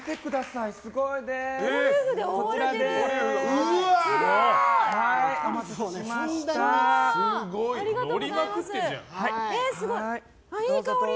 いい香り！